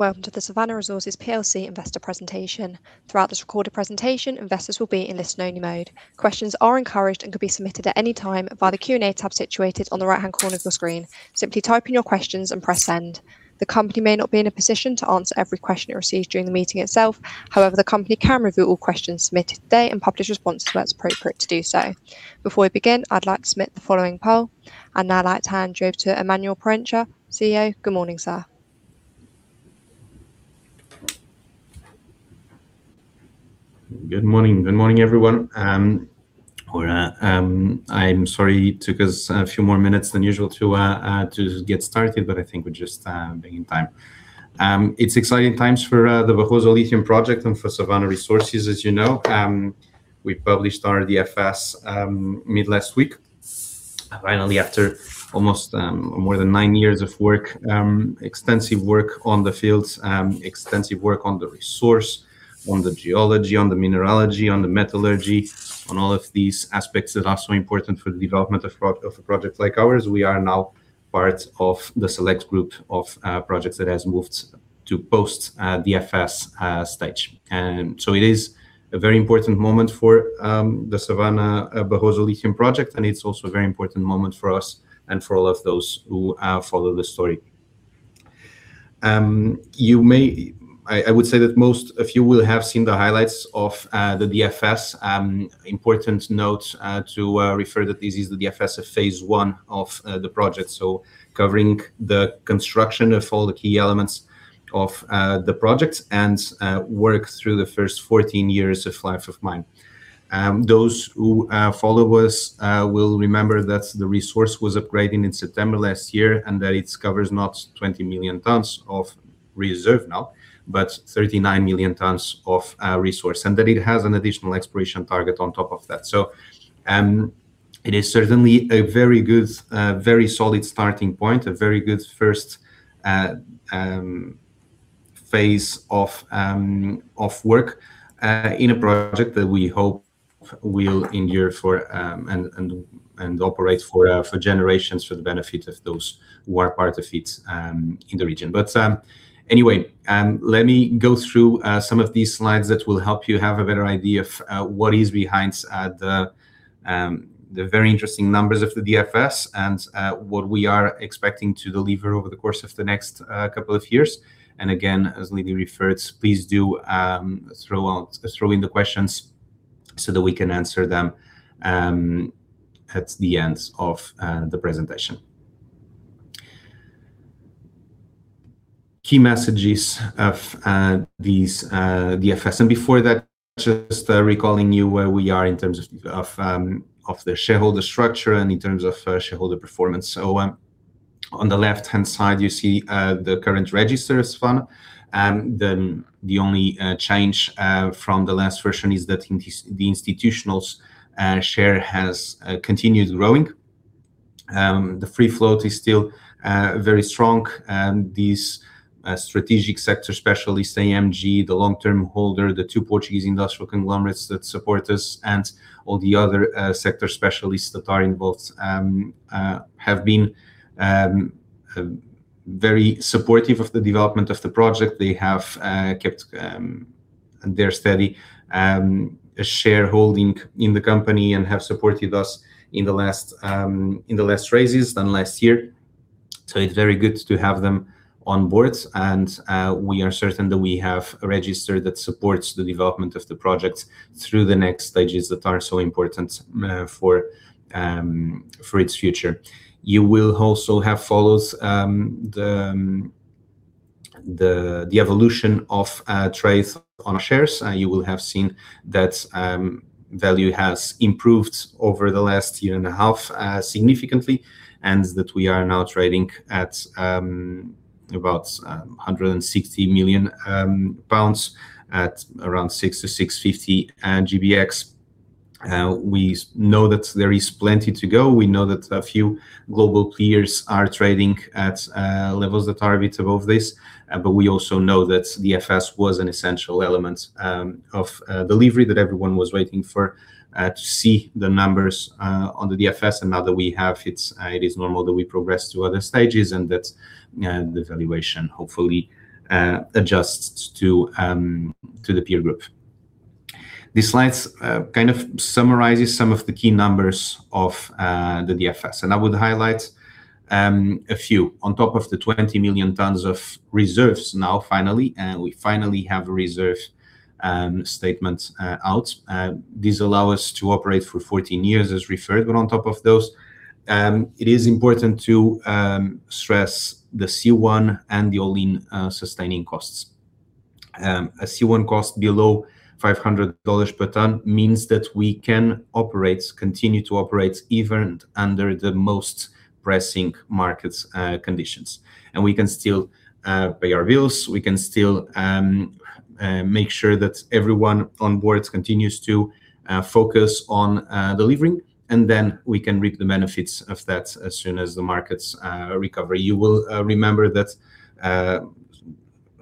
Welcome to the Savannah Resources Plc investor presentation. Throughout this recorded presentation, investors will be in listen only mode. Questions are encouraged and can be submitted at any time via the Q&A tab situated on the right-hand corner of your screen. Simply type in your questions and press send. The company may not be in a position to answer every question it receives during the meeting itself. However, the company can review all questions submitted today and publish responses when it is appropriate to do so. Before we begin, I would like to submit the following poll. I would now like to hand you over to Emanuel Proença, CEO. Good morning, sir. Good morning. Good morning, everyone. Uhm. I am sorry it took us a few more minutes than usual to get started. I think we are just being in time. It is exciting times for the Barroso Lithium Project and for Savannah Resources, as you know. We published our DFS mid last week. Finally, after almost more than nine years of work, extensive work on the fields, extensive work on the resource, on the geology, on the mineralogy, on the metallurgy, on all of these aspects that are so important for the development of a project like ours. We are now part of the select group of projects that has moved to post-DFS stage. It is a very important moment for the Savannah Barroso Lithium Project, and it is also a very important moment for us and for all of those who follow the story. I would say that most of you will have seen the highlights of the DFS. Important note to refer that this is the DFS of phase I of the project, covering the construction of all the key elements of the project and work through the first 14 years of life of mine. Those who follow us will remember that the resource was upgrading in September last year. It covers not 20 million tons of reserve now, but 39 million tons of resource, and that it has an additional exploration target on top of that. It is certainly a very good, very solid starting point, a very good first phase of work in a project that we hope will endure for and operate for generations for the benefit of those who are part of it in the region. Anyway, let me go through some of these slides that will help you have a better idea of what is behind the very interesting numbers of the DFS and what we are expecting to deliver over the course of the next couple of years. Again, as Lily referred, please do throw in the questions so that we can answer them at the end of the presentation. Key messages of these DFS. Before that, just recalling you where we are in terms of the shareholder structure and in terms of shareholder performance. On the left-hand side, you see the current register is fun. The only change from the last version is that the institutional share has continued growing. The free float is still very strong. These strategic sector specialists, AMG, the long-term holder, the two Portuguese industrial conglomerates that support us and all the other sector specialists that are involved have been very supportive of the development of the project. They have kept their steady shareholding in the company and have supported us in the last raises done last year. It is very good to have them on board, and we are certain that we have a register that supports the development of the project through the next stages that are so important for its future. You will also have followed the evolution of trade on our shares. You will have seen that value has improved over the last year and a half significantly, and that we are now trading at about 160 million pounds at around 6-6.50 GBX. We know that there is plenty to go. We know that a few global peers are trading at levels that are a bit above this. But we also know that DFS was an essential element of delivery that everyone was waiting for to see the numbers on the DFS. Now that we have it is normal that we progress to other stages and that the valuation hopefully adjusts to the peer group. This slide kind of summarizes some of the key numbers of the DFS, and I would highlight a few. On top of the 20 million tons of reserves now finally, and we finally have a reserve statement out. These allow us to operate for 14 years as referred, but on top of those, it is important to stress the C1 and the all-in sustaining costs. A C1 cost below $500 per ton means that we can continue to operate even under the most pressing market conditions. We can still pay our bills, we can still make sure that everyone on board continues to focus on delivering, and then we can reap the benefits of that as soon as the markets recover. You will remember that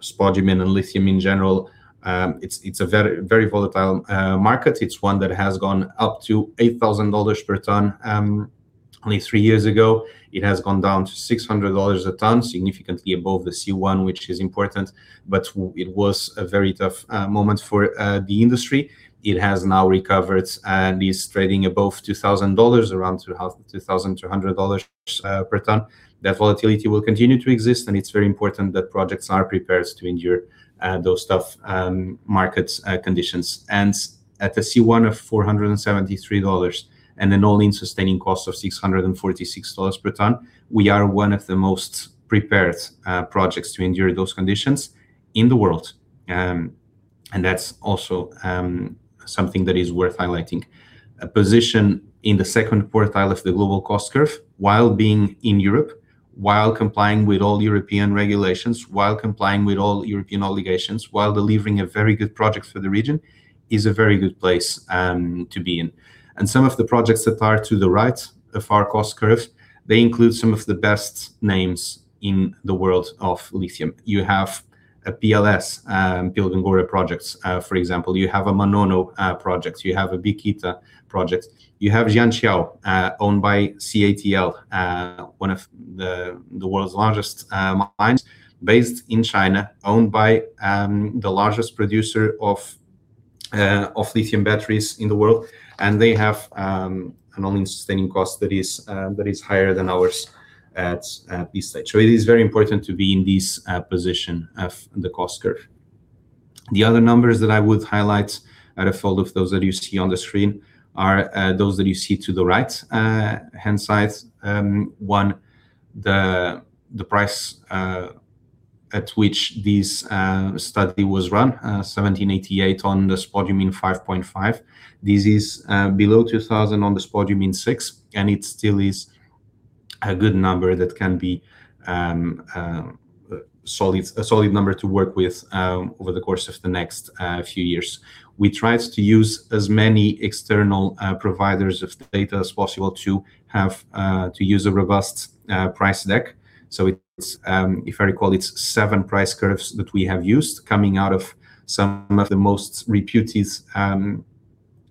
spodumene and lithium in general, it is a very volatile market. It is one that has gone up to $8,000 per ton. Only three years ago, it has gone down to $600 a ton, significantly above the C1, which is important, but it was a very tough moment for the industry. It has now recovered and is trading above $2,000, around $2,200 per ton. That volatility will continue to exist, and it is very important that projects are prepared to endure those tough market conditions. At the C1 of $473 and an all-in sustaining cost of $646 per ton, we are one of the most prepared projects to endure those conditions in the world. That is also something that is worth highlighting. A position in the second quartile of the global cost curve while being in Europe, while complying with all European regulations, while complying with all European obligations, while delivering a very good project for the region, is a very good place to be in. Some of the projects that are to the right of our cost curve, they include some of the best names in the world of lithium. You have a PLS, Pilgangoora projects, for example. You have a Manono projects, you have a Bikita projects. You have Jianxiawo, owned by CATL, one of the world's largest mines, based in China, owned by the largest producer of lithium batteries in the world. They have an all-in sustaining cost that is higher than ours at this stage. It is very important to be in this position of the cost curve. The other numbers that I would highlight out of all of those that you see on the screen are those that you see to the right-hand side. One, the price at which this study was run, $1,788 on the spodumene 5.5%. This is below $2,000 on the spodumene 6%, and it still is a good number, a solid number to work with over the course of the next few years. We tried to use as many external providers of data as possible to use a robust price deck. If I recall, it's seven price curves that we have used coming out of some of the most reputed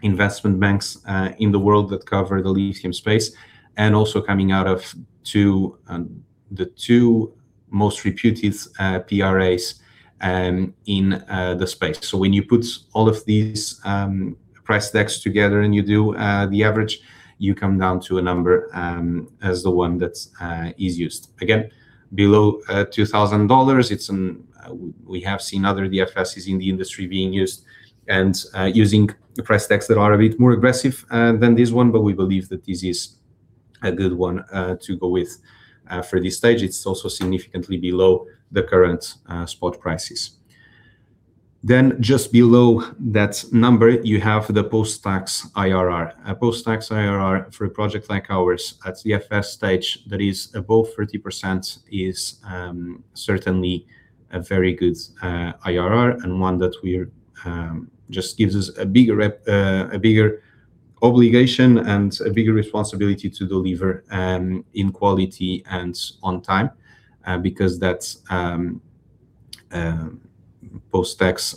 investment banks in the world that cover the lithium space, and also coming out of the two most reputed PRAs in the space. When you put all of these price decks together and you do the average, you come down to a number as the one that is used. Again, below $2,000, we have seen other DFSes in the industry being used and using the price decks that are a bit more aggressive than this one, but we believe that this is a good one to go with for this stage. It's also significantly below the current spot prices. Just below that number, you have the post-tax IRR. A post-tax IRR for a project like ours at DFS stage that is above 30% is certainly a very good IRR and one that just gives us a bigger obligation and a bigger responsibility to deliver in quality and on time, because that's post-tax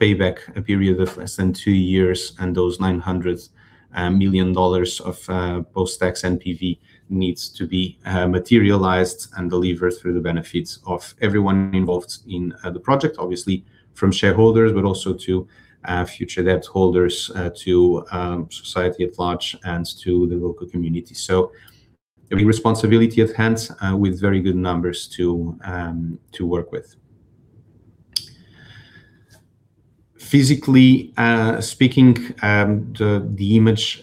payback period of less than two years and those $900 million of post-tax NPV needs to be materialized and delivered through the benefits of everyone involved in the project, obviously from shareholders, but also to future debt holders, to society at large, and to the local community. A responsibility at hand with very good numbers to work with. Physically speaking, the image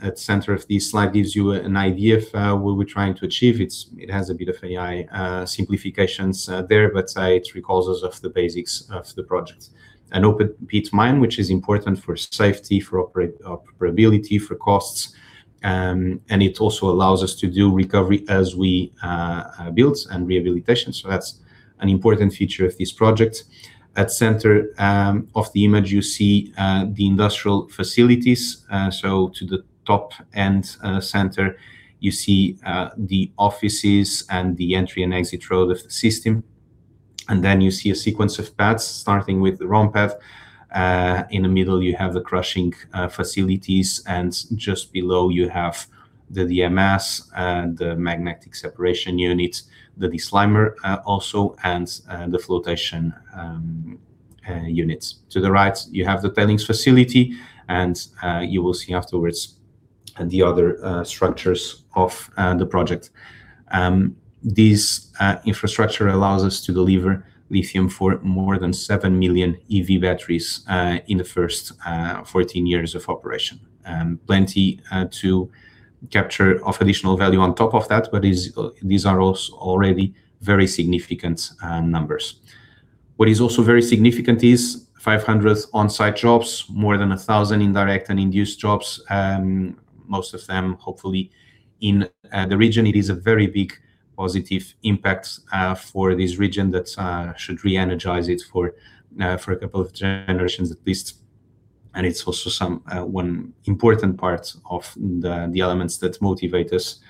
at center of this slide gives you an idea of what we're trying to achieve. It has a bit of AI simplifications there, but it recalls us of the basics of the project. An open pit mine, which is important for safety, for operability, for costs, It also allows us to do recovery as we build and rehabilitation. That's an important feature of this project. At center of the image, you see the industrial facilities. To the top and center, you see the offices and the entry and exit road of the system, and then you see a sequence of paths starting with the ramp path. In the middle, you have the crushing facilities, and just below you have the DMS and the magnetic separation unit, the deslimer also, and the flotation units. To the right, you have the tailings facility, and you will see afterwards the other structures of the project. This infrastructure allows us to deliver lithium for more than 7 million EV batteries in the first 14 years of operation. Plenty to capture of additional value on top of that, but these are also already very significant numbers. What is also very significant is 500 on-site jobs, more than 1,000 indirect and induced jobs, most of them hopefully in the region. It is a very big positive impact for this region that should re-energize it for a couple of generations at least. It is also one important part of the elements that motivate us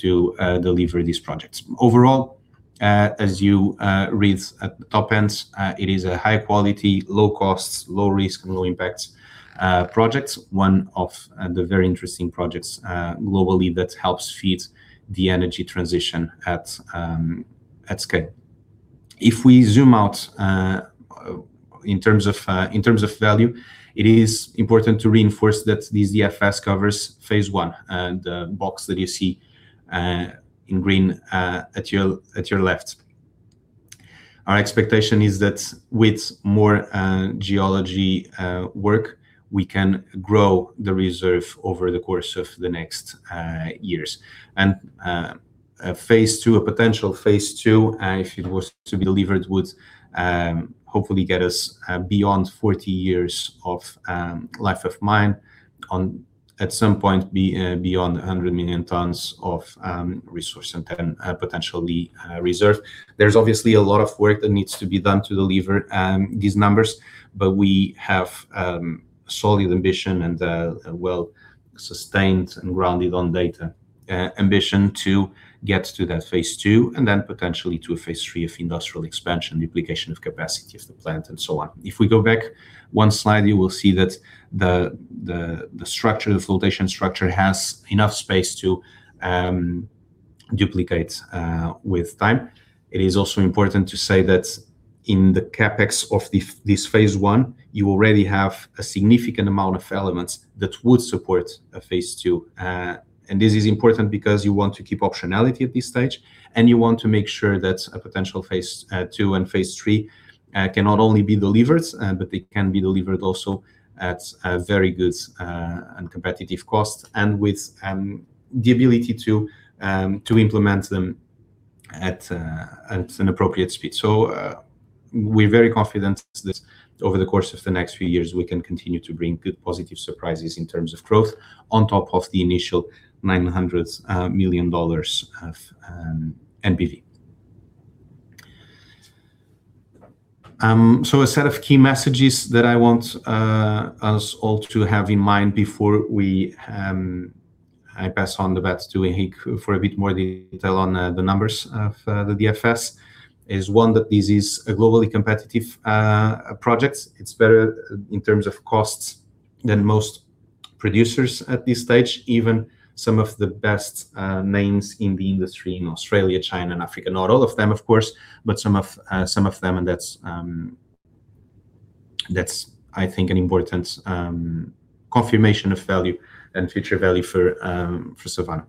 to deliver these projects. Overall. As you read at the top end, it is a high-quality, low-cost, low-risk, and low-impact project. One of the very interesting projects globally that helps feed the energy transition at scale. If we zoom out in terms of value, it is important to reinforce that this DFS covers phase I, the box that you see in green at your left. Our expectation is that with more geology work, we can grow the reserve over the course of the next years. A potential phase II, if it was to be delivered, would hopefully get us beyond 40 years of life of mine. At some point, be beyond 100 million tons of resource and 10 potentially reserved. There's obviously a lot of work that needs to be done to deliver these numbers, but we have a solid ambition and a well-sustained and rounded on data ambition to get to that phase II and then potentially to a phase III of industrial expansion, duplication of capacity of the plant, and so on. If we go back one slide, you will see that the flotation structure has enough space to duplicate with time. It is also important to say that in the CapEx of this phase I, you already have a significant amount of elements that would support a phase II. This is important because you want to keep optionality at this stage, and you want to make sure that a potential phase II and phase III can not only be delivered, but they can be delivered also at a very good and competitive cost and with the ability to implement them at an appropriate speed. We are very confident that over the course of the next few years, we can continue to bring good positive surprises in terms of growth on top of the initial $900 million of NPV. A set of key messages that I want us all to have in mind before I pass on the bat to Henrique for a bit more detail on the numbers of the DFS is, one, that this is a globally competitive project. It's better in terms of costs than most producers at this stage, even some of the best names in the industry in Australia, China, and Africa. Not all of them, of course, but some of them, and that's I think an important confirmation of value and future value for Savannah.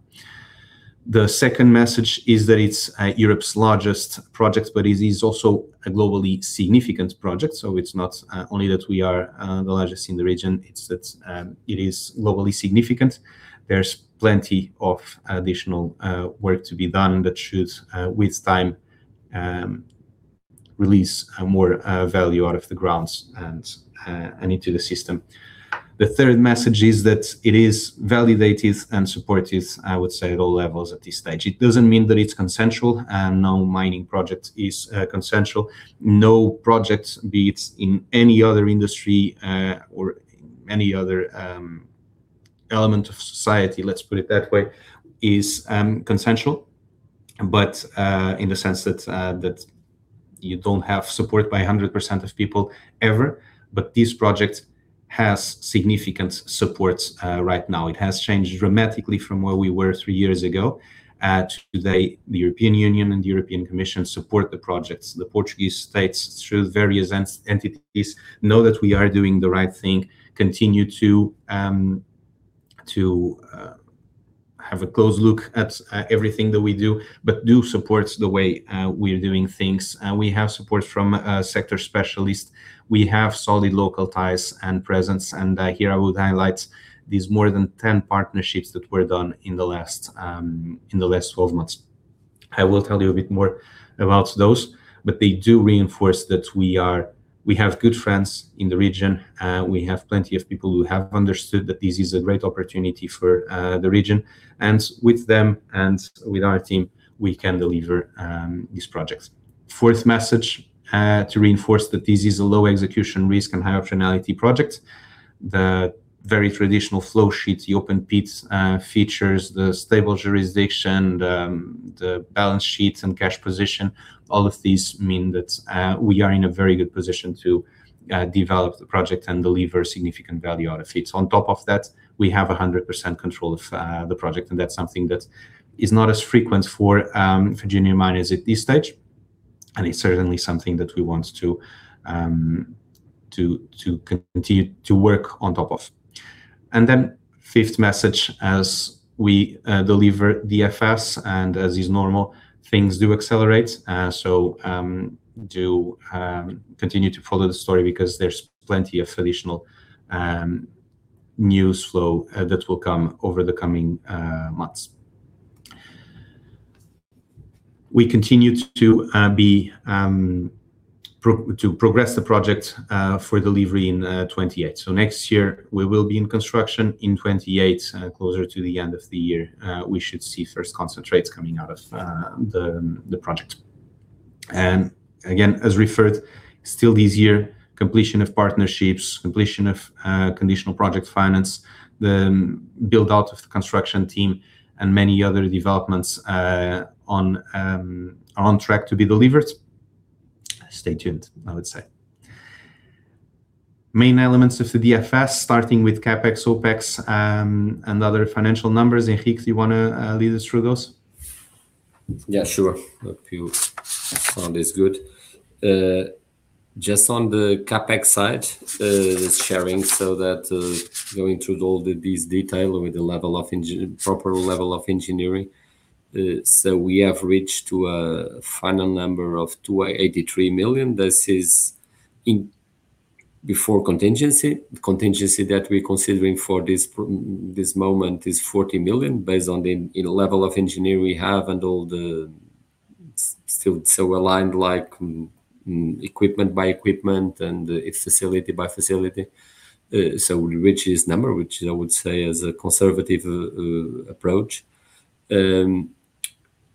The second message is that it's Europe's largest project, but it is also a globally significant project. It's not only that we are the largest in the region, it is that it is globally significant. There's plenty of additional work to be done that should, with time, release more value out of the grounds and into the system. The third message is that it is validated and supported, I would say, at all levels at this stage. It doesn't mean that it's consensual. No mining project is consensual. No project, be it in any other industry or any other element of society, let's put it that way, is consensual, in the sense that you don't have support by 100% of people ever. This project has significant supports right now. It has changed dramatically from where we were three years ago. Today, the European Union and the European Commission support the projects. The Portuguese State, through various entities, know that we are doing the right thing, continue to have a close look at everything that we do, but do support the way we are doing things. We have support from sector specialists. We have solid local ties and presence. Here I would highlight these more than 10 partnerships that were done in the last 12 months. I will tell you a bit more about those, they do reinforce that we have good friends in the region. We have plenty of people who have understood that this is a great opportunity for the region, with them and with our team, we can deliver these projects. Fourth message, to reinforce that this is a low execution risk and high optionality project. The very traditional flow sheets, the open-pit features, the stable jurisdiction, the balance sheets, and cash position, all of these mean that we are in a very good position to develop the project and deliver significant value out of it. On top of that, we have 100% control of the project, that's something that is not as frequent for junior miners at this stage, and it's certainly something that we want to continue to work on top of. Fifth message, as we deliver DFS and as is normal, things do accelerate. Do continue to follow the story because there's plenty of additional news flow that will come over the coming months. We continue to progress the project for delivery in 2028. Next year, we will be in construction. In 2028, closer to the end of the year, we should see first concentrates coming out of the project. Again, as referred, still this year, completion of partnerships, completion of conditional project finance, the build-out of the construction team, and many other developments are on track to be delivered. Stay tuned, I would say. Main elements of the DFS, starting with CapEx, OpEx, and other financial numbers. Henrique, do you want to lead us through those? Yeah. Sure. A few on this. Just on the CapEx side, the sharing, going through all these details with the proper level of engineering. We have reached to a final number of 283 million. This is before contingency. The contingency that we are considering for this moment is 40 million, based on the level of engineering we have and all the still aligned, like equipment by equipment and facility by facility. We reach this number, which I would say is a conservative approach.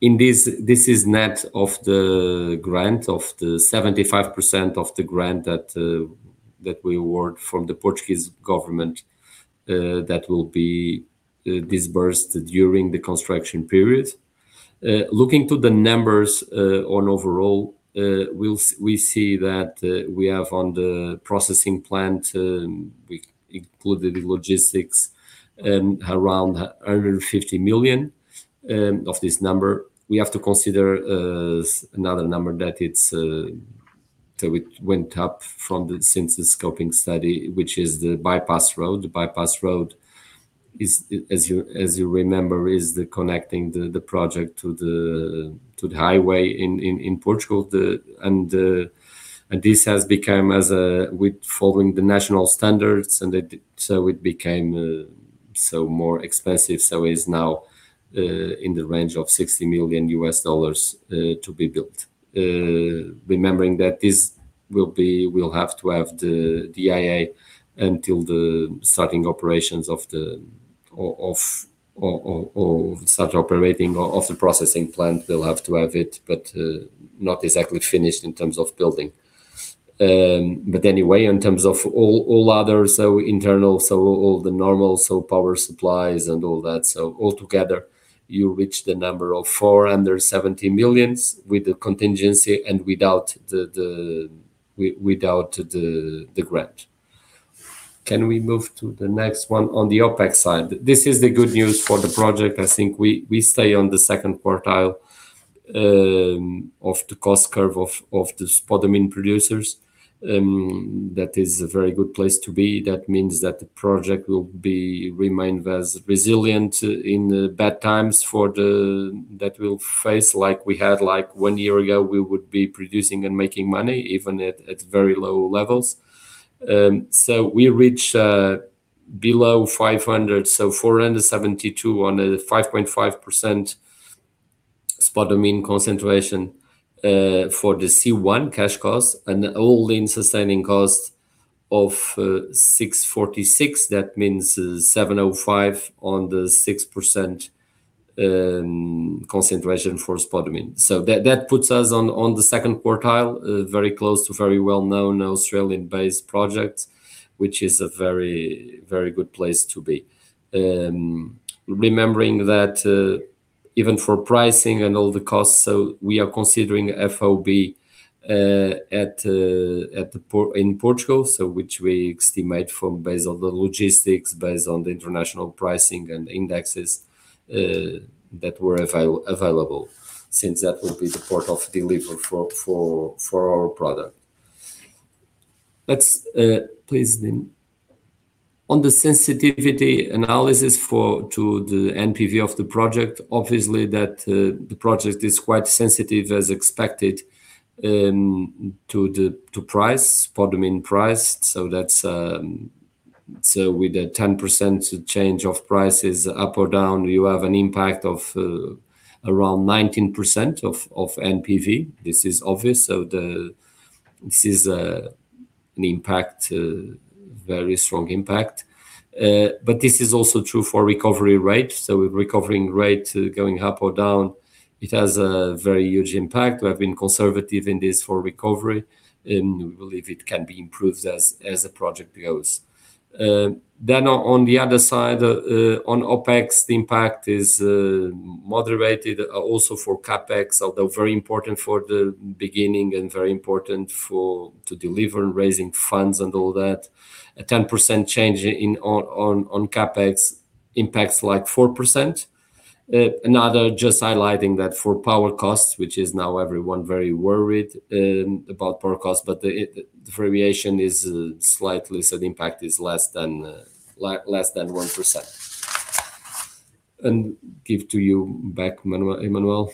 This is net of the grant, of the 75% of the grant that we award from the Portuguese government that will be disbursed during the construction period. Looking to the numbers on overall, we see that we have on the processing plant, we included the logistics, around 150 million of this number. We have to consider another number that went up from the synthesis scoping study, which is the bypass road. The bypass road, as you remember, is connecting the project to the highway in Portugal. This has become, following the national standards, it became more expensive, is now in the range of $60 million to be built. Remembering that this will have to have the DIA until the starting operations of the processing plant. They will have to have it, but not exactly finished in terms of building. Anyway, in terms of all others, internal, all the normal power supplies and all that. Altogether, you reach the number of 470 million with the contingency and without the grant. Can we move to the next one on the OpEx side? This is the good news for the project. I think we stay on the second quartile of the cost curve of the spodumene producers. That is a very good place to be. That means that the project will remain as resilient in the bad times that we will face, like we had one year ago, we would be producing and making money, even at very low levels. We reach below 500, 472 on a 5.5% spodumene concentration for the C1 cash cost and all-in sustaining cost of 646. That means 705 on the 6% concentration for spodumene. That puts us on the second quartile, very close to very well-known Australian-based projects, which is a very good place to be. Remembering that even for pricing and all the costs, we are considering FOB in Portugal, which we estimate based on the logistics, based on the international pricing and indexes that were available, since that will be the port of delivery for our product. Please, on the sensitivity analysis to the NPV of the project, obviously, the project is quite sensitive as expected to spodumene price. With a 10% change of prices up or down, you have an impact of around 19% of NPV. This is obvious, this is a very strong impact. This is also true for recovery rate. With recovering rate going up or down, it has a very huge impact. We have been conservative in this for recovery, and we believe it can be improved as the project goes. On the other side, on OpEx, the impact is moderated also for CapEx, although very important for the beginning and very important to deliver and raising funds and all that. A 10% change on CapEx impacts like 4%. Just highlighting that for power costs, which is now everyone very worried about power costs, the variation is slightly, so the impact is less than 1%. Give to you back, Emanuel.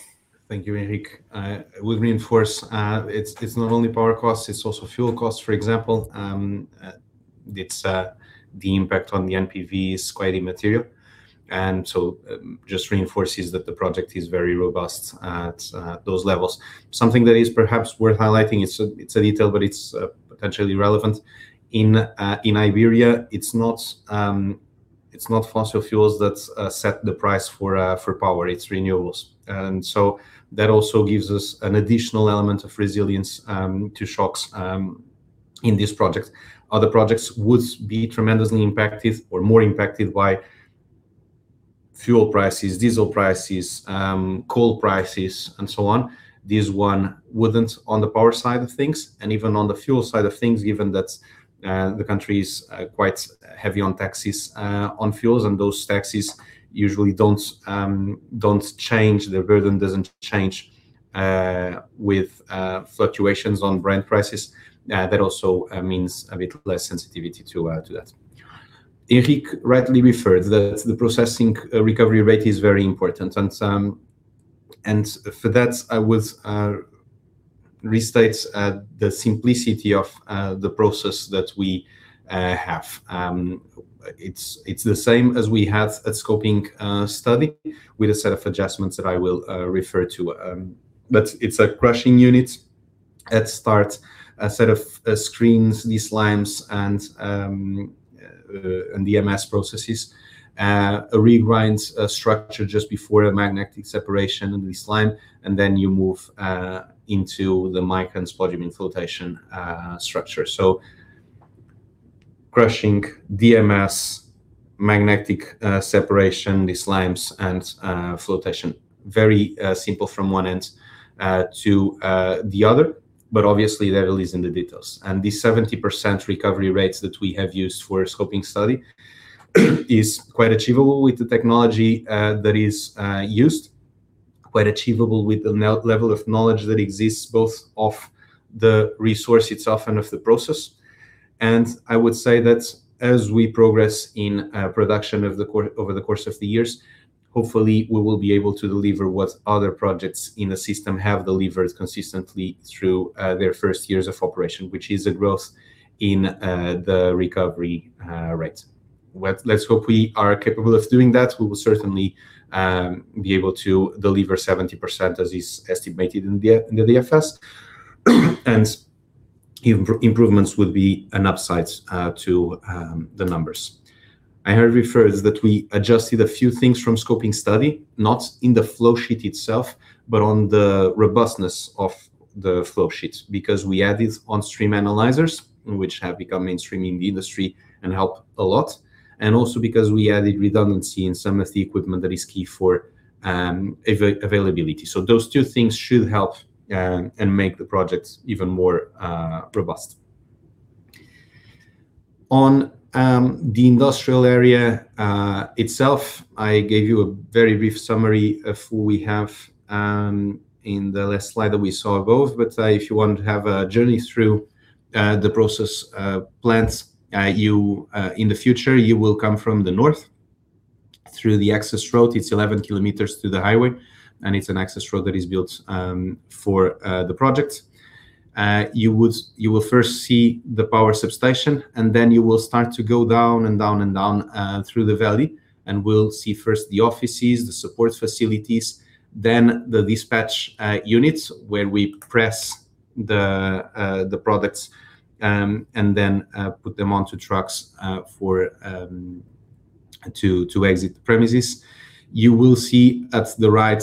Thank you, Henrique. We reinforce it's not only power costs, it's also fuel costs, for example. The impact on the NPV is quite immaterial, just reinforces that the project is very robust at those levels. Something that is perhaps worth highlighting, it's a detail, but it's potentially relevant. In Iberia, it's not fossil fuels that set the price for power, it's renewables. That also gives us an additional element of resilience to shocks in this project. Other projects would be tremendously impacted or more impacted by fuel prices, diesel prices, coal prices, and so on. This one wouldn't on the power side of things, and even on the fuel side of things, given that the country's quite heavy on taxes on fuels, and those taxes usually their burden doesn't change with fluctuations on brand prices. That also means a bit less sensitivity to that. Henrique rightly referred that the processing recovery rate is very important, for that I would restate the simplicity of the process that we have. It's the same as we have at scoping study with a set of adjustments that I will refer to. It's a crushing unit at start, a set of screens, deslimes, and DMS processes. A regrind structure just before a magnetic separation and deslime, then you move into the mica and spodumene flotation structure. Crushing DMS, magnetic separation, deslimes, and flotation. Very simple from one end to the other, but obviously the devil is in the details. The 70% recovery rates that we have used for scoping study is quite achievable with the technology that is used, quite achievable with the level of knowledge that exists both of the resource itself and of the process. I would say that as we progress in production over the course of the years, hopefully we will be able to deliver what other projects in the system have delivered consistently through their first years of operation, which is a growth in the recovery rates. Let's hope we are capable of doing that. We will certainly be able to deliver 70%, as is estimated in the DFS. Improvements will be an upside to the numbers. I already referred that we adjusted a few things from scoping study, not in the flow sheet itself, but on the robustness of the flow sheet. Because we added on-stream analyzers, which have become mainstream in the industry and help a lot, and also because we added redundancy in some of the equipment that is key for availability. Those two things should help and make the projects even more robust. On the industrial area itself, I gave you a very brief summary of who we have in the last slide that we saw both. If you want to have a journey through the process plants, in the future, you will come from the north through the access road. It is 11 km through the highway. It is an access road that is built for the project. You will first see the power substation. Then you will start to go down and down and down through the valley. Will see first the offices, the support facilities. Then the dispatch units where we press the products. Then put them onto trucks to exit the premises. You will see at the right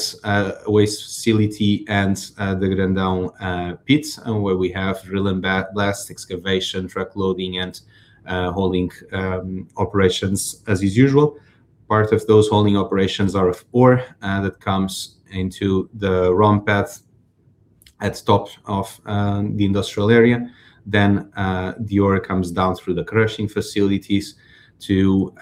waste facility and the Grandão pits. Where we have drill and blast excavation, truck loading, and hauling operations as is usual. Part of those hauling operations are of ore that comes into the ramp path at top of the industrial area. The ore comes down through the crushing facilities to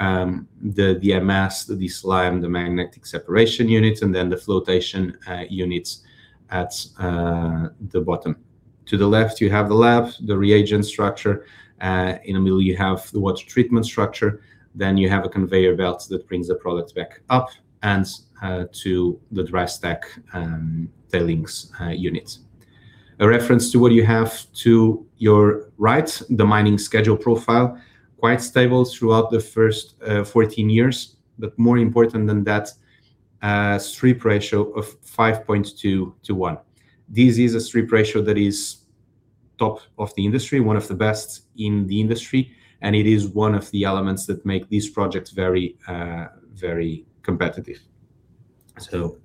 the DMS, the deslime, the magnetic separation units. Then the flotation units at the bottom. To the left, you have the lab, the reagent structure. In the middle, you have the water treatment structure. You have a conveyor belt that brings the product back up and to the dry stack tailing units. A reference to what you have to your right, the mining schedule profile. Quite stable throughout the first 14 years. More important than that, a strip ratio of 5.2:1. This is a strip ratio that is top of the industry, one of the best in the industry. It is one of the elements that make these projects very competitive.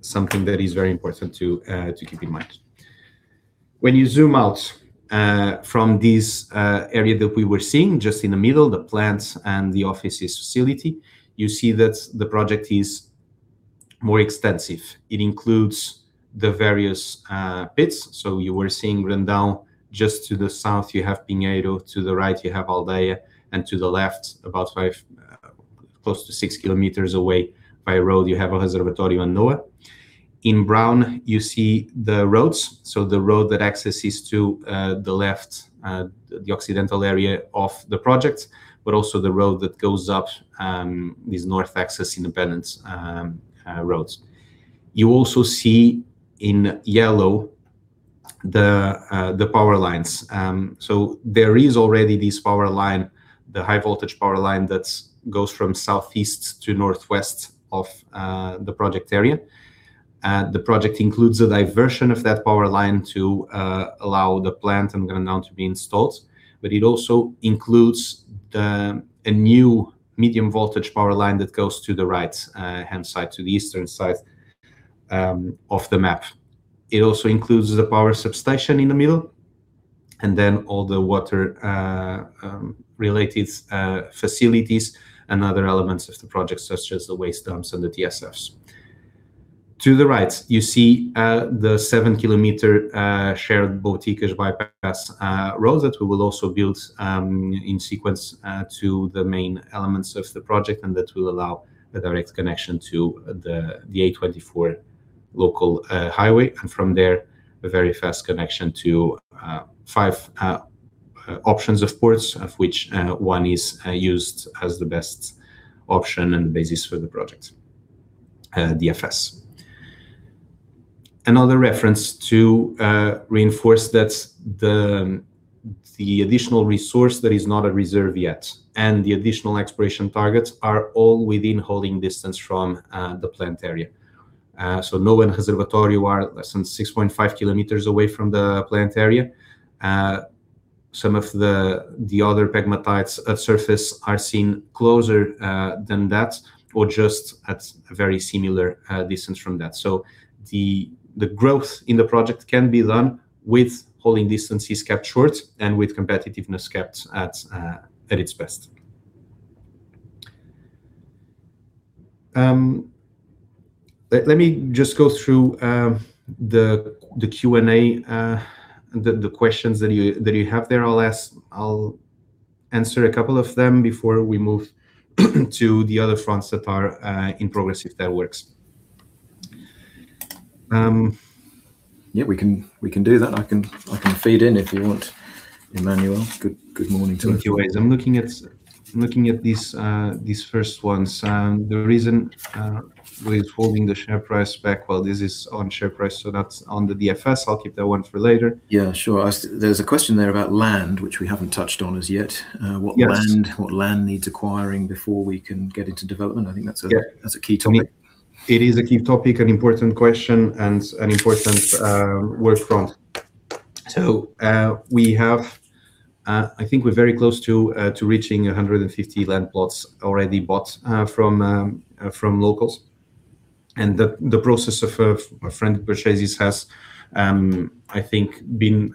Something that is very important to keep in mind. When you zoom out from this area that we were seeing, just in the middle, the plants and the offices facility, you see that the project is more extensive. It includes the various pits. You were seeing Grandão. Just to the south, you have Pinheiro. To the right you have Aldeia. To the left, about close to six kilometers away by road, you have a Reservatório and NOA. In brown, you see the roads. The road that accesses to the left, the occidental area of the project. Also the road that goes up these north access independent roads. You also see in yellow the power lines. There is already this power line, the high voltage power line that goes from southeast to northwest of the project area. The project includes a diversion of that power line to allow the plant I am going to announce to be installed. It also includes a new medium voltage power line that goes to the right-hand side, to the eastern side of the map. It also includes the power substation in the middle. Then all the water-related facilities and other elements of the project, such as the waste dumps and the TSFs. To the right, you see the 7 km shared Boticas bypass road that we will also build in sequence to the main elements of the project. That will allow a direct connection to the A24 local highway. From there, a very fast connection to five options, of course, of which one is used as the best option and the basis for the project DFS. Another reference to reinforce that the additional resource that is not a reserve yet and the additional exploration targets are all within hauling distance from the plant area. NOA and Reservatório are less than 6.5 kilometers away from the plant area. Some of the other pegmatites surface are seen closer than that, or just at a very similar distance from that. The growth in the project can be done with hauling distances kept short and with competitiveness kept at its best. Let me just go through the Q&A, the questions that you have there. I'll answer a couple of them before we move to the other fronts that are in progress, if that works. We can do that. I can feed in if you want, Emanuel. Good morning to you. Thank you, guys. I'm looking at these first ones. The reason with holding the share price back, while this is on share price, that's on the DFS. I'll keep that one for later. Sure. There's a question there about land, which we haven't touched on as yet. Yes. What land needs acquiring before we can get into development? I think that's a key topic. It is a key topic, an important question, and an important work front. We have, I think we're very close to reaching 150 land plots already bought from locals. The process of friendly purchases has, I think, been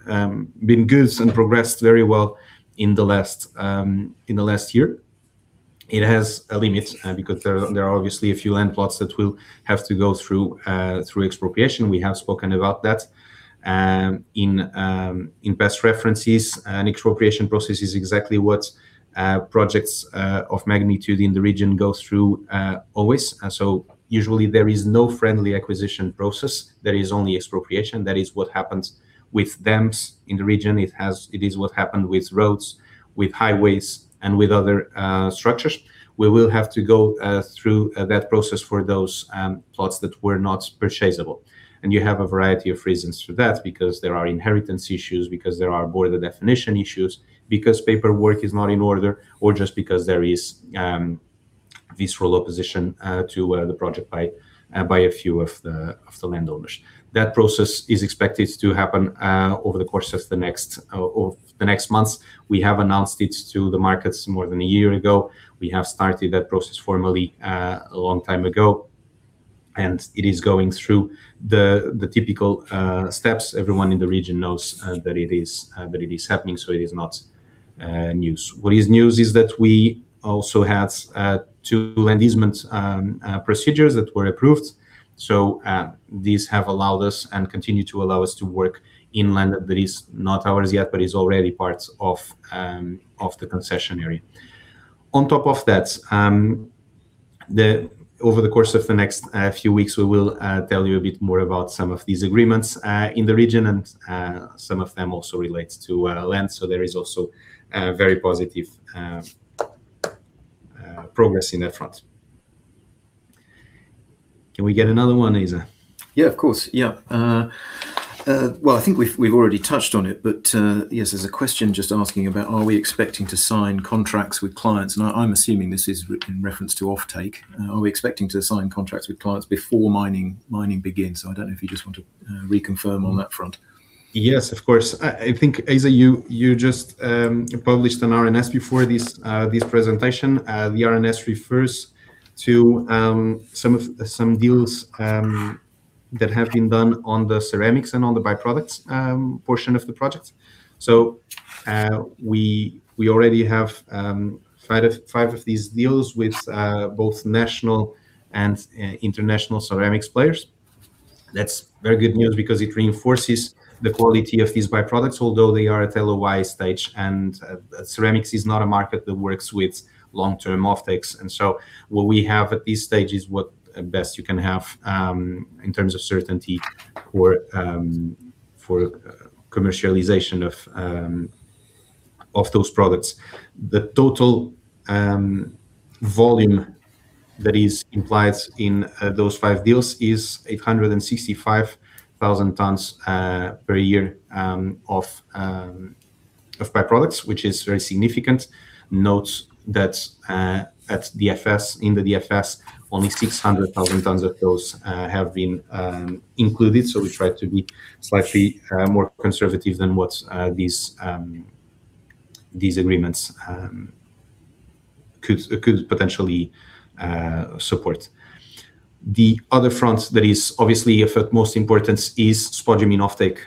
good and progressed very well in the last year. It has a limit because there are obviously a few land plots that will have to go through expropriation. We have spoken about that in past references. An expropriation process is exactly what projects of magnitude in the region go through always. Usually there is no friendly acquisition process. There is only expropriation. That is what happens with dams in the region. It is what happened with roads, with highways, and with other structures. We will have to go through that process for those plots that were not purchasable. You have a variety of reasons for that, because there are inheritance issues, because there are border definition issues, because paperwork is not in order, or just because there is visceral opposition to the project by a few of the landowners. That process is expected to happen over the course of the next months. We have announced it to the markets more than a year ago. We have started that process formally a long time ago, and it is going through the typical steps. Everyone in the region knows that it is happening, so it is not news. What is news is that we also had two land easement procedures that were approved. These have allowed us and continue to allow us to work in land that is not ours yet, but is already part of the concession area. On top of that, over the course of the next few weeks, we will tell you a bit more about some of these agreements in the region, and some of them also relate to land. There is also very positive progress in that front. Can we get another one, Asa? Yeah, of course. Well, I think we've already touched on it. Yes, there's a question just asking about, are we expecting to sign contracts with clients? I'm assuming this is in reference to offtake. Are we expecting to sign contracts with clients before mining begins? I don't know if you just want to reconfirm on that front. Yes, of course. I think, Asa, you just published an RNS before this presentation. The RNS refers to some deals that have been done on the ceramics and on the byproducts portion of the project. We already have five of these deals with both national and international ceramics players. That's very good news because it reinforces the quality of these byproducts, although they are at LOI stage and ceramics is not a market that works with long-term offtakes. What we have at this stage is what best you can have in terms of certainty for commercialization of those products. The total volume that is implied in those five deals is 865,000 tons per year of byproducts, which is very significant. Note that in the DFS, only 600,000 tons of those have been included. We try to be slightly more conservative than what these agreements could potentially support. The other front that is obviously of utmost importance is spodumene off-take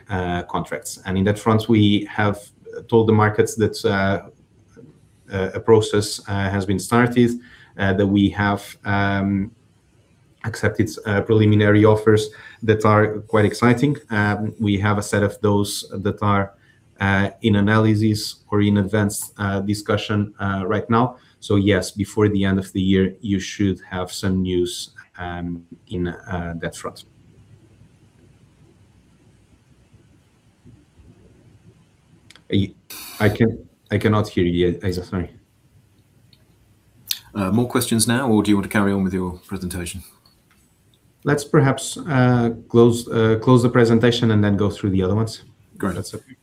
contracts. In that front, we have told the markets that a process has been started, that we have accepted preliminary offers that are quite exciting. We have a set of those that are in analysis or in advanced discussion right now. Yes, before the end of the year, you should have some news in that front. I cannot hear you, sorry. More questions now, or do you want to carry on with your presentation? Let's perhaps close the presentation and then go through the other ones. Great. That's okay.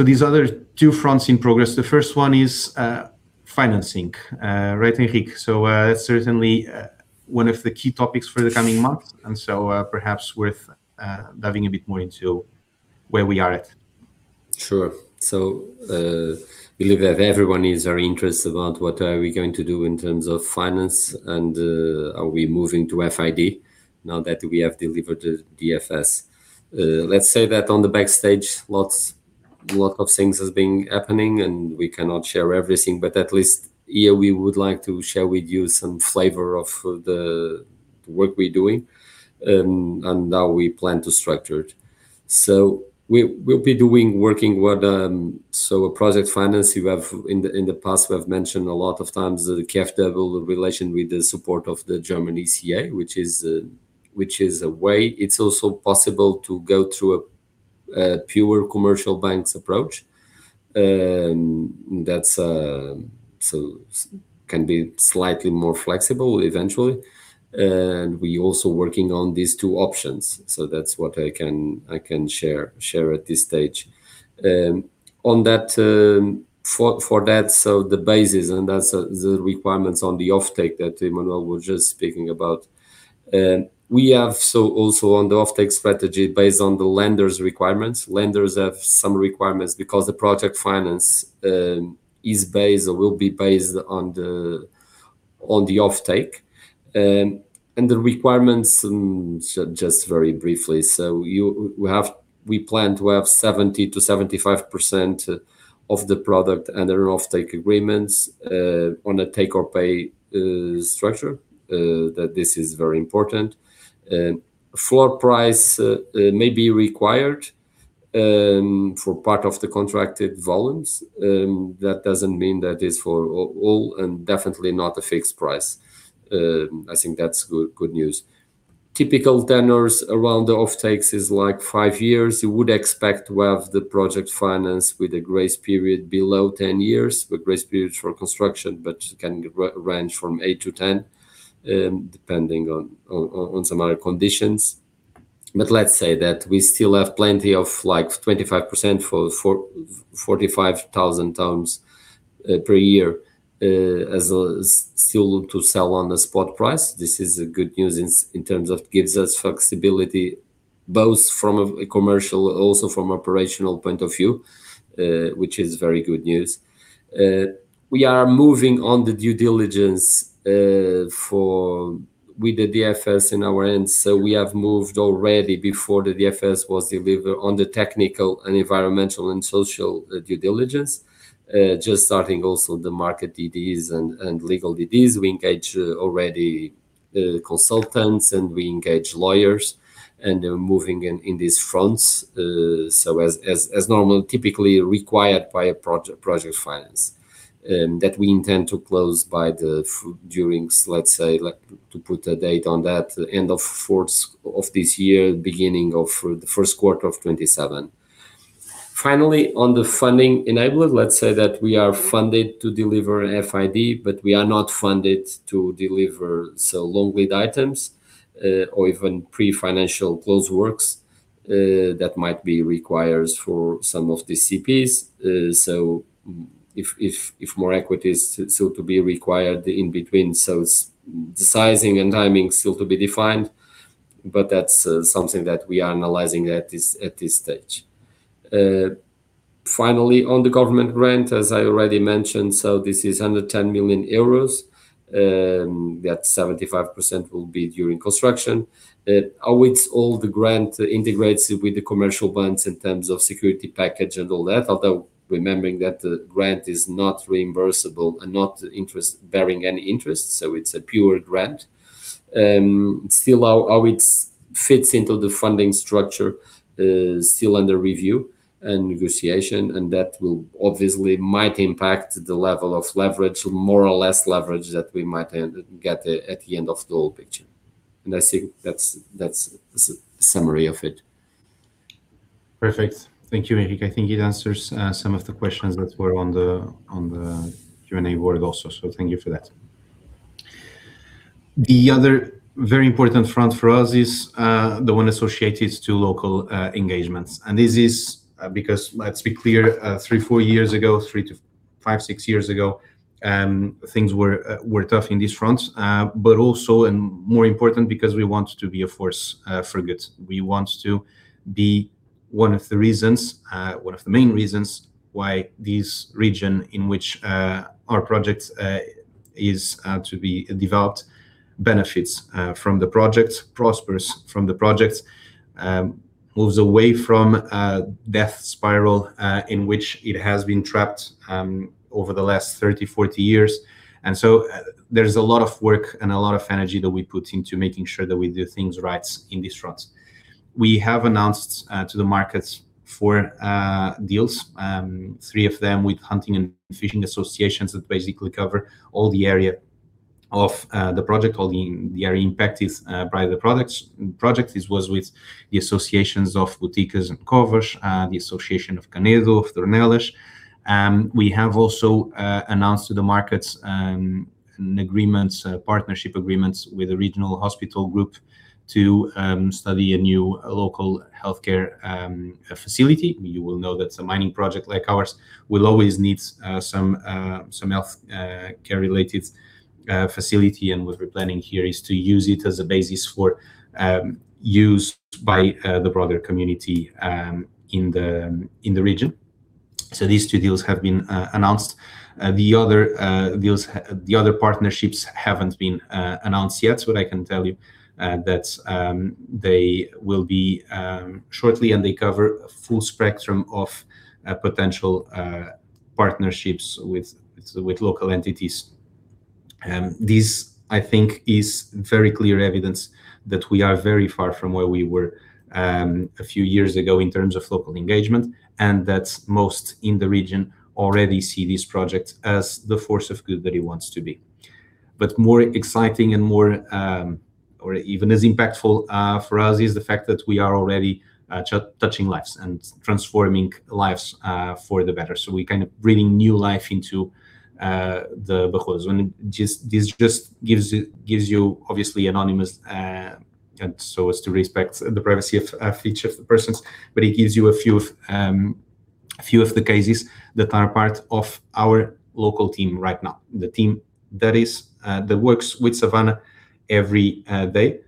These other two fronts in progress, the first one is financing. Right, Henrique? Certainly one of the key topics for the coming months, and so perhaps worth diving a bit more into where we are at. Sure. I believe that everyone is very interested about what are we going to do in terms of finance, and are we moving to FID now that we have delivered the DFS. Let's say that on the backstage, lot of things has been happening, and we cannot share everything, but at least here we would like to share with you some flavor of the work we're doing and how we plan to structure it. We'll be doing working with project finance. In the past, we have mentioned a lot of times the KfW relation with the support of the German ECA, which is a way. It's also possible to go through a pure commercial banks approach. That can be slightly more flexible eventually. We also working on these two options. That's what I can share at this stage. For that, so the basis and that's the requirements on the off-take that Emanuel was just speaking about. We have also on the off-take strategy, based on the lenders' requirements. Lenders have some requirements because the project finance is based or will be based on the off-take. The requirements, just very briefly, so we plan to have 70%-75% of the product under off-take agreements on a take or pay structure. That this is very important. Floor price may be required for part of the contracted volumes. That doesn't mean that is for all, and definitely not a fixed price. I think that's good news. Typical tenures around the off-takes is like five years. You would expect to have the project finance with a grace period below 10 years, with grace period for construction, but can range from 8-10, depending on some other conditions. Let's say that we still have plenty of 25% for 45,000 tons per year as still to sell on the spot price. This is a good news in terms of gives us flexibility both from a commercial, also from operational point of view, which is very good news. We are moving on the due diligence with the DFS in our end. We have moved already before the DFS was delivered on the technical and environmental and social due diligence. Just starting also the market DDs and legal DDs. We engage already consultants and we engage lawyers and are moving in these fronts. As normal, typically required by a project finance. That we intend to close, let's say, to put a date on that, end of fourth of this year, beginning of the first quarter of 2027. Finally, on the funding enabler, let's say that we are funded to deliver FID, but we are not funded to deliver so long lead items, or even pre-financial close works that might be required for some of the CPs. If more equity is still to be required in between, so the sizing and timing still to be defined, but that's something that we are analyzing at this stage. Finally, on the government grant, as I already mentioned, so this is under 10 million euros. That 75% will be during construction. How it's all the grant integrates with the commercial banks in terms of security package and all that. Although remembering that the grant is not reimbursable and not bearing any interest, so it's a pure grant. Still how it fits into the funding structure is still under review and negotiation, that will obviously might impact the level of leverage, more or less leverage that we might get at the end of the whole picture. I think that's the summary of it. Perfect. Thank you, Henrique. I think it answers some of the questions that were on the Q&A board also. Thank you for that. The other very important front for us is the one associated to local engagements. This is because, let's be clear, three, four years ago, three to five, six years ago, things were tough in these fronts. Also, and more important, because we want to be a force for good. We want to be one of the main reasons why this region in which our project is to be developed benefits from the project, prospers from the project, moves away from a death spiral in which it has been trapped over the last 30, 40 years. There's a lot of work and a lot of energy that we put into making sure that we do things right in these fronts. We have announced to the markets four deals, three of them with hunting and fishing associations that basically cover all the area of the project, all the area impacted by the projects. This was with the associations of Boticas and Cóvos, the association of Caneiro, of Torneiros. We have also announced to the markets partnership agreements with the regional hospital group to study a new local healthcare facility. You will know that a mining project like ours will always need some healthcare-related facility, and what we're planning here is to use it as a basis for use by the broader community in the region. These two deals have been announced. The other partnerships haven't been announced yet, I can tell you that they will be shortly, and they cover a full spectrum of potential partnerships with local entities. This, I think, is very clear evidence that we are very far from where we were a few years ago in terms of local engagement, and that most in the region already see this project as the force of good that it wants to be. More exciting and even as impactful for us is the fact that we are already touching lives and transforming lives for the better. We're kind of breathing new life into the Barroso. This just gives you obviously anonymous, so as to respect the privacy of each of the persons, but it gives you a few of the cases that are part of our local team right now, the team that works with Savannah every day.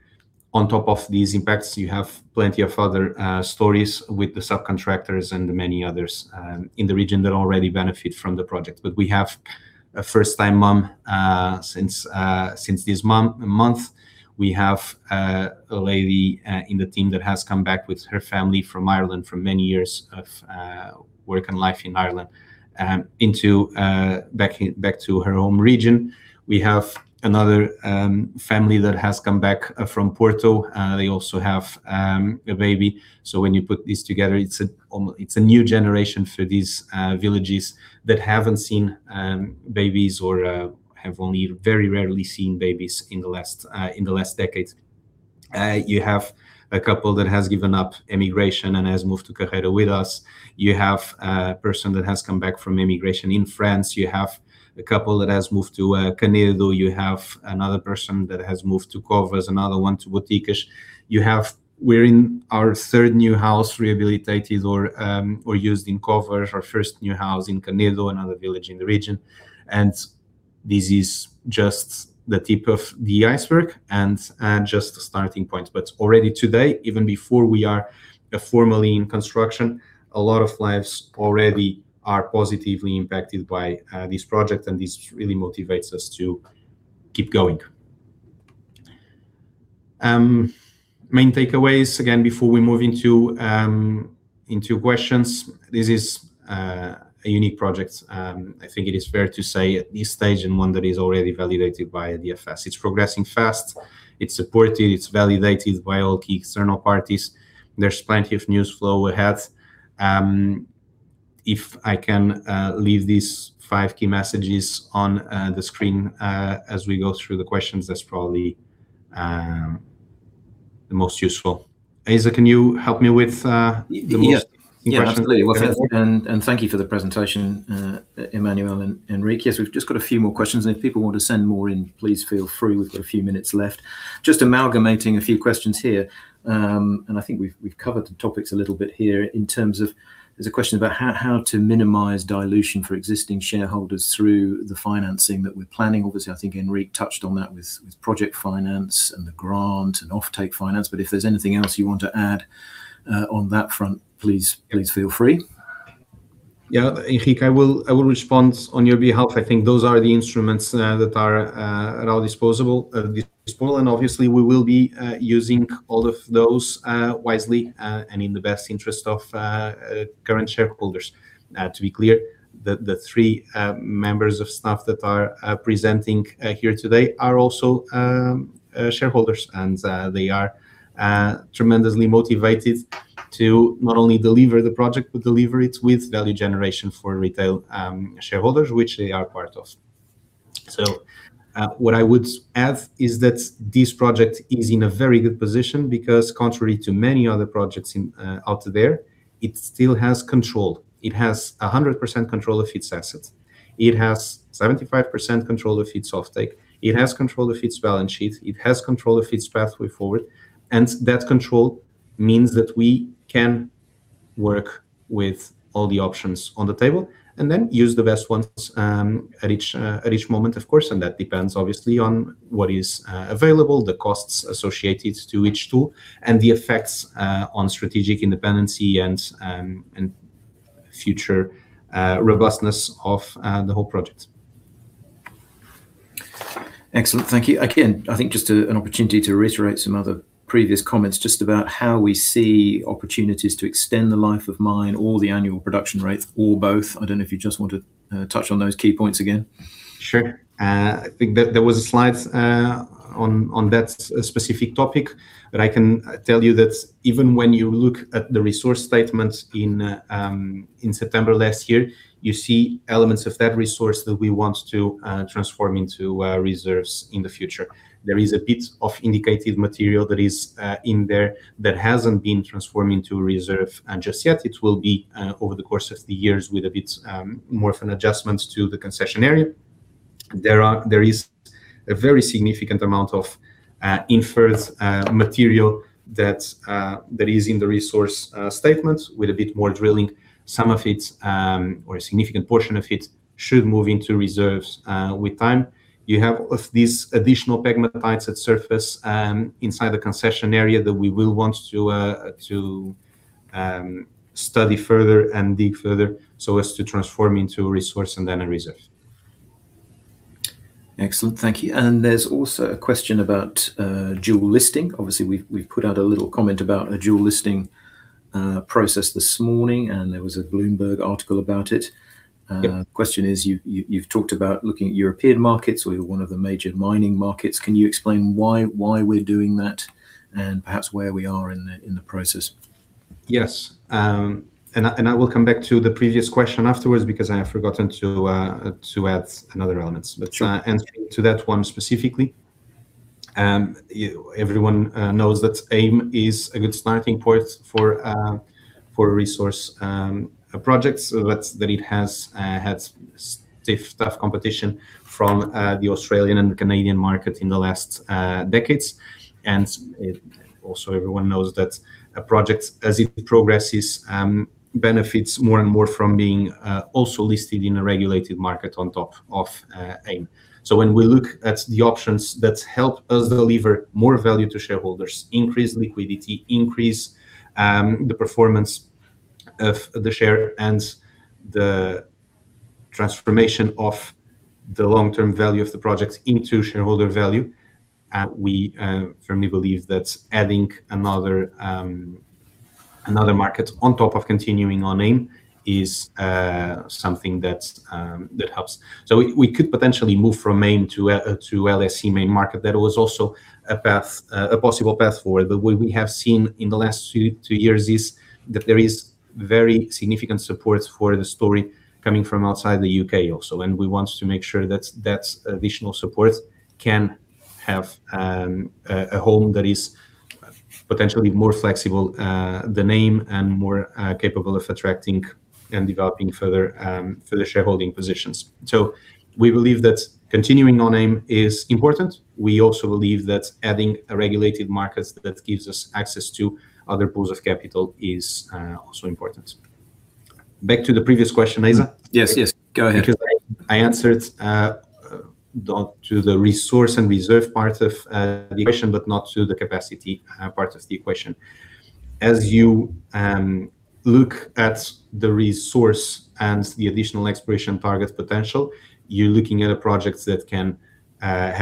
On top of these impacts, you have plenty of other stories with the subcontractors and many others in the region that already benefit from the project. We have a first-time mom since this month. We have a lady in the team that has come back with her family from Ireland for many years of work and life in Ireland, back to her home region. We have another family that has come back from Porto. They also have a baby. When you put this together, it's a new generation for these villages that haven't seen babies or have only very rarely seen babies in the last decades. You have a couple that has given up immigration and has moved to Carreira with us. You have a person that has come back from immigration in France. You have a couple that has moved to Caneiro. You have another person that has moved to Cóvos, another one to Boticas. We're in our third new house rehabilitated or used in Cóvos, our first new house in Caneiro, another village in the region, and this is just the tip of the iceberg and just a starting point. Already today, even before we are formally in construction, a lot of lives already are positively impacted by this project, and this really motivates us to keep going. Main takeaways, again, before we move into questions. This is a unique project, I think it is fair to say at this stage, and one that is already validated by DFS. It's progressing fast. It's supported, it's validated by all key external parties. There's plenty of news flow ahead. If I can leave these five key messages on the screen as we go through the questions, that's probably the most useful. Asa, can you help me with the most. Yeah. Questions? Absolutely. Thank you for the presentation, Emanuel and Henrique. We've just got a few more questions, and if people want to send more in, please feel free. We've got a few minutes left. Amalgamating a few questions here, and I think we've covered the topics a little bit here in terms of there's a question about how to minimize dilution for existing shareholders through the financing that we're planning. Obviously, I think Henrique touched on that with project finance and the grant and offtake finance. If there's anything else you want to add on that front, please feel free. Henrique, I will respond on your behalf. I think those are the instruments that are at our disposal, and obviously, we will be using all of those wisely and in the best interest of current shareholders. To be clear, the three members of staff that are presenting here today are also shareholders, and they are tremendously motivated to not only deliver the project, but deliver it with value generation for retail shareholders, which they are part of. What I would add is that this project is in a very good position because contrary to many other projects out there, it still has control. It has 100% control of its assets. It has 75% control of its offtake. It has control of its balance sheet. It has control of its pathway forward. That control means that we can work with all the options on the table and then use the best ones at each moment, of course. That depends, obviously, on what is available, the costs associated to each tool, and the effects on strategic independency and future robustness of the whole project. Excellent. Thank you. I think just an opportunity to reiterate some other previous comments just about how we see opportunities to extend the life of mine or the annual production rates or both. I don't know if you just want to touch on those key points again. Sure. I think that there was a slide on that specific topic. I can tell you that even when you look at the resource statements in September last year, you see elements of that resource that we want to transform into reserves in the future. There is a bit of indicated material that is in there that hasn't been transformed into a reserve just yet. It will be over the course of the years with a bit more of an adjustment to the concession area. There is a very significant amount of inferred material that is in the resource statement. With a bit more drilling, some of it, or a significant portion of it, should move into reserves with time. You have these additional pegmatites at surface inside the concession area that we will want to study further and dig further so as to transform into a resource and then a reserve. Excellent, thank you. There's also a question about dual listing. Obviously, we've put out a little comment about a dual listing process this morning, there was a Bloomberg article about it. Yeah. Question is, you've talked about looking at European markets or one of the major mining markets. Can you explain why we're doing that and perhaps where we are in the process? Yes, I will come back to the previous question afterwards because I have forgotten to add another element. Sure. Answering to that one specifically, everyone knows that AIM is a good starting point for resource projects, but that it has had stiff competition from the Australian and Canadian market in the last decades. Everyone knows that a project, as it progresses, benefits more and more from being also listed in a regulated market on top of AIM. When we look at the options that help us deliver more value to shareholders, increase liquidity, increase the performance of the share, and the transformation of the long-term value of the project into shareholder value, we firmly believe that adding another market on top of continuing on AIM is something that helps. We could potentially move from AIM to LSE main market. That was also a possible path forward. What we have seen in the last two years is that there is very significant support for the story coming from outside the U.K. also, and we want to make sure that that additional support can have a home that is potentially more flexible than AIM and more capable of attracting and developing further shareholding positions. We believe that continuing on AIM is important. We also believe that adding a regulated market that gives us access to other pools of capital is also important. Back to the previous question, Asa? Yes. Go ahead. I answered to the resource and reserve part of the question, but not to the capacity part of the question. As you look at the resource and the additional exploration target potential, you're looking at a project that can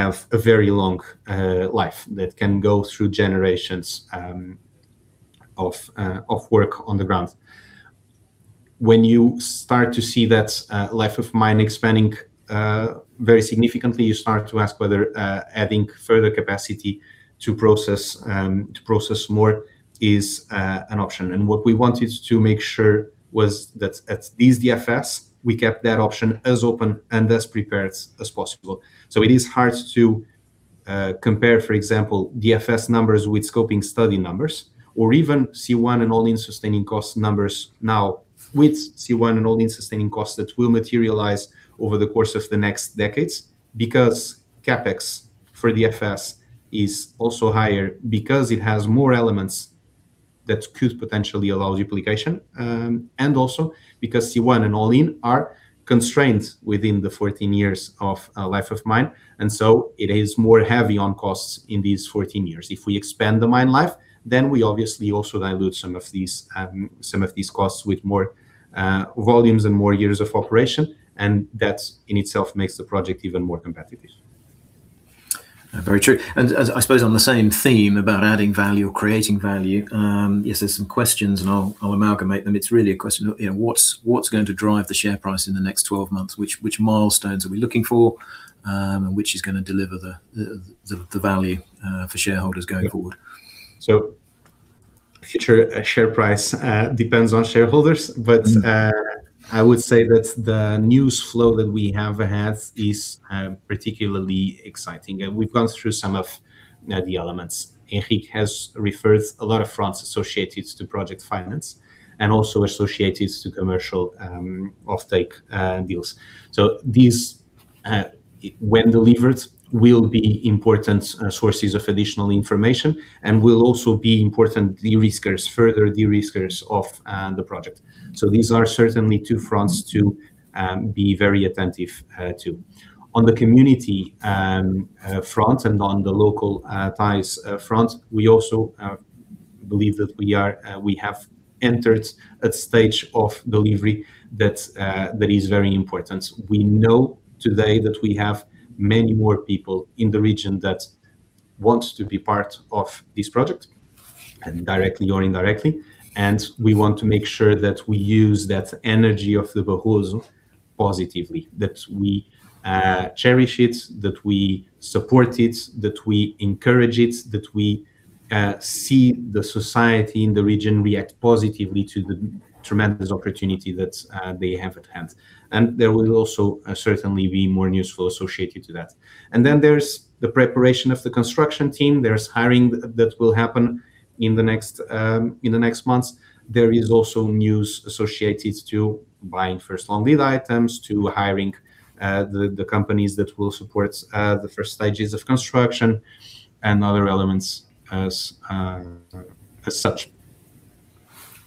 have a very long life, that can go through generations of work on the ground. When you start to see that life of mine expanding very significantly, you start to ask whether adding further capacity to process more is an option. What we wanted to make sure was that at these DFS, we kept that option as open and as prepared as possible. It is hard to compare, for example, DFS numbers with scoping study numbers, or even C1 and all-in sustaining cost numbers now with C1 and all-in sustaining costs that will materialize over the course of the next decades because CapEx for DFS is also higher because it has more elements that could potentially allow duplication. Also because C1 and all-in are constrained within the 14 years of life of mine, it is more heavy on costs in these 14 years. If we expand the mine life, we obviously also dilute some of these costs with more volumes and more years of operation, that in itself makes the project even more competitive. Very true. I suppose on the same theme about adding value or creating value, yes, there's some questions, and I'll amalgamate them. It's really a question of what's going to drive the share price in the next 12 months? Which milestones are we looking for, which is going to deliver the value for shareholders going forward? Future share price depends on shareholders. I would say that the news flow that we have had is particularly exciting, and we've gone through some of the elements. Henrique has referred a lot of fronts associated to project finance and also associated to commercial off-take deals. These when delivered, will be important sources of additional information and will also be important de-riskers, further de-riskers of the project. These are certainly two fronts to be very attentive to. On the community front and on the local ties front, we also believe that we have entered a stage of delivery that is very important. We know today that we have many more people in the region that want to be part of this project, directly or indirectly, and we want to make sure that we use that energy of the Barroso positively, that we cherish it, that we support it, that we encourage it, that we see the society in the region react positively to the tremendous opportunity that they have at hand. There will also certainly be more newsflow associated to that. There's the preparation of the construction team. There's hiring that will happen in the next months. There is also news associated to buying first long-lead items, to hiring the companies that will support the first stages of construction and other elements as such.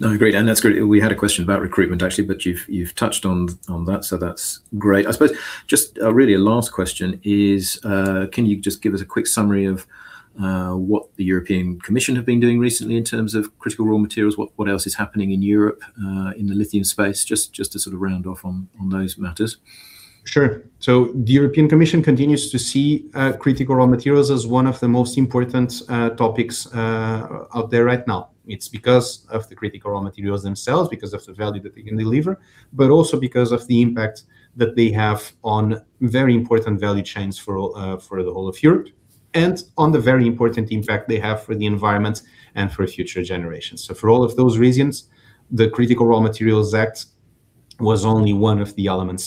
No, great. That's great. We had a question about recruitment, actually, but you've touched on that, so that's great. I suppose, just really a last question is can you just give us a quick summary of what the European Commission have been doing recently in terms of critical raw materials? What else is happening in Europe, in the lithium space? Just to sort of round off on those matters. Sure. The European Commission continues to see critical raw materials as one of the most important topics out there right now. It's because of the critical raw materials themselves, because of the value that they can deliver, but also because of the impact that they have on very important value chains for the whole of Europe and on the very important impact they have for the environment and for future generations. For all of those reasons, the Critical Raw Materials Act was only one of the elements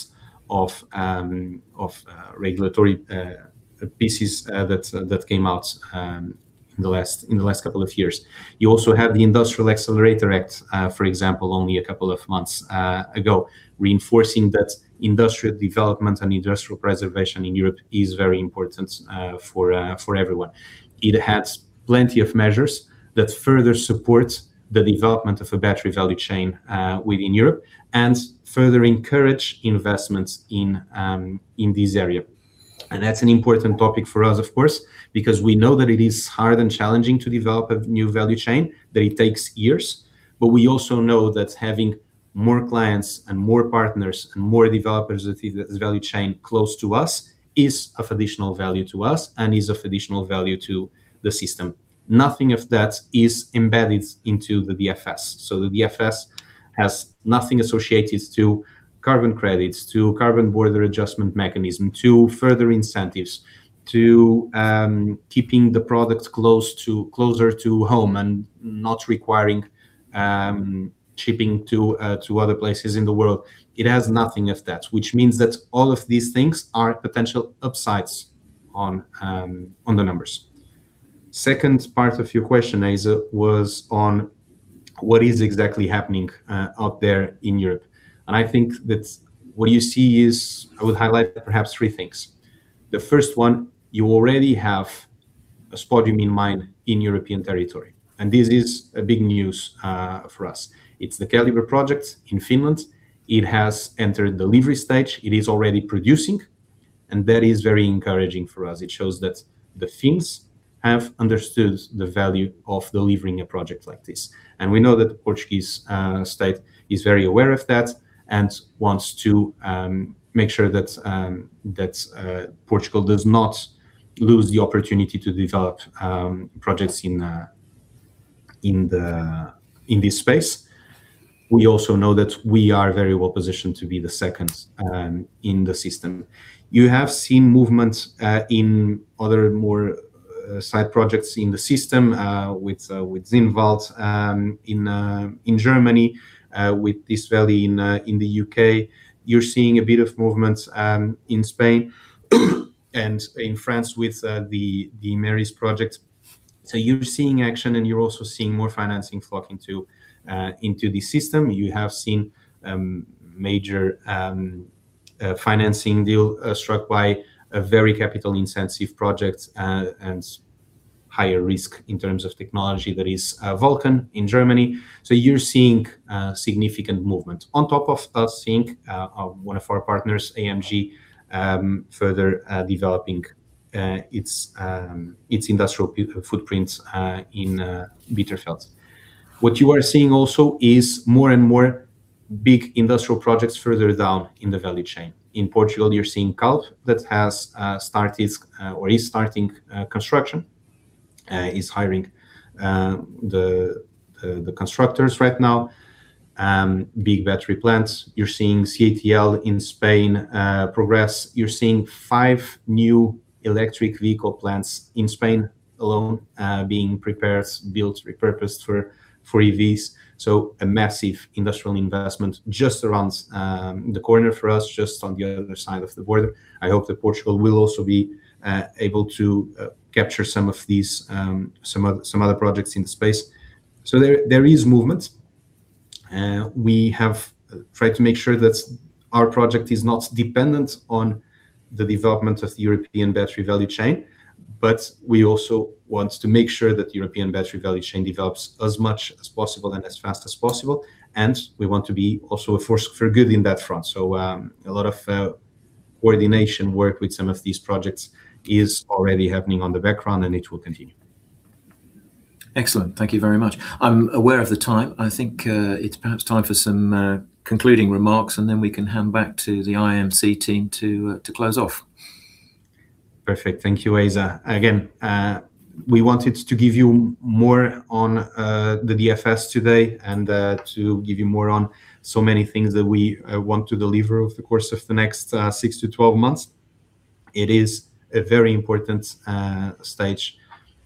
of regulatory pieces that came out in the last couple of years. You also have the Industrial Accelerator Act, for example, only a couple of months ago, reinforcing that industrial development and industrial preservation in Europe is very important for everyone. It has plenty of measures that further support the development of a battery value chain within Europe and further encourage investments in this area. That's an important topic for us, of course, because we know that it is hard and challenging to develop a new value chain, that it takes years. We also know that having more clients and more partners and more developers with this value chain close to us is of additional value to us and is of additional value to the system. Nothing of that is embedded into the DFS. The DFS has nothing associated to carbon credits, to Carbon Border Adjustment Mechanism, to further incentives, to keeping the product closer to home and not requiring shipping to other places in the world. It has nothing of that, which means that all of these things are potential upsides on the numbers. Second part of your question, Asa, was on what is exactly happening out there in Europe. I think that what you see is, I would highlight perhaps three things. The first one, you already have a spodumene mine in European territory. This is a big news for us. It is the Keliber project in Finland. It has entered delivery stage. It is already producing, and that is very encouraging for us. It shows that the Finns have understood the value of delivering a project like this. We know that the Portuguese state is very aware of that and wants to make sure that Portugal does not lose the opportunity to develop projects in this space. We also know that we are very well positioned to be the second in the system. You have seen movements in other more side projects in the system, with Zinnwald in Germany, with Lishe Valley in the U.K. You are seeing a bit of movement in Spain and in France with the Imerys project. You are seeing action, and you are also seeing more financing flock into the system. You have seen major financing deal struck by a very capital-intensive project and higher risk in terms of technology, that is Vulcan, in Germany. You are seeing significant movement. On top of us seeing one of our partners, AMG, further developing its industrial footprint in Bitterfeld. What you are seeing also is more and more big industrial projects further down in the value chain. In Portugal, you are seeing CALB that has started, or is starting construction, is hiring the constructors right now, big battery plants. You are seeing CATL in Spain progress. You are seeing five new electric vehicle plants in Spain alone being prepared, built, repurposed for EVs. A massive industrial investment just around the corner for us, just on the other side of the border. I hope that Portugal will also be able to capture some other projects in the space. There is movement. We have tried to make sure that our project is not dependent on the development of the European battery value chain. We also want to make sure that the European battery value chain develops as much as possible and as fast as possible. We want to be also a force for good in that front. A lot of coordination work with some of these projects is already happening on the background. It will continue. Excellent. Thank you very much. I am aware of the time. I think it is perhaps time for some concluding remarks. Then we can hand back to the IMC team to close off. Perfect. Thank you, Asa. We wanted to give you more on the DFS today and to give you more on so many things that we want to deliver over the course of the next 6-12 months. It is a very important stage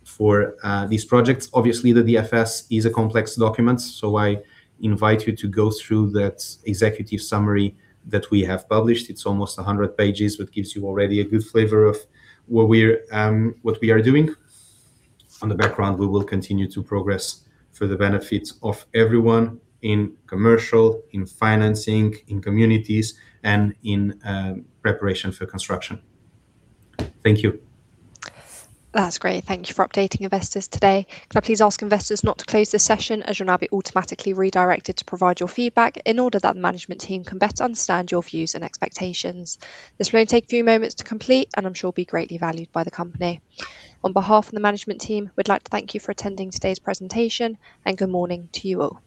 for these projects. Obviously, the DFS is a complex document, so I invite you to go through that executive summary that we have published. It is almost 100 pages, but gives you already a good flavor of what we are doing. On the background, we will continue to progress for the benefit of everyone in commercial, in financing, in communities, and in preparation for construction. Thank you. That is great. Thank you for updating investors today. Can I please ask investors not to close this session, as you will now be automatically redirected to provide your feedback in order that the management team can better understand your views and expectations. This will only take a few moments to complete and I am sure will be greatly valued by the company. On behalf of the management team, we would like to thank you for attending today's presentation and good morning to you all.